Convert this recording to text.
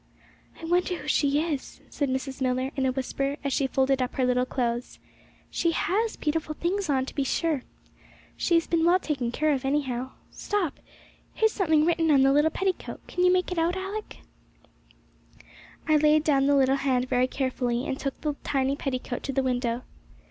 'I wonder who she is,' said Mrs. Millar, in a whisper, as she folded up her little clothes. 'She has beautiful things on, to be sure! She has been well taken care of, anyhow! Stop, here's something written on the little petticoat; can you make it out, Alick?' I laid down the little hand very carefully, and took the tiny petticoat to the window.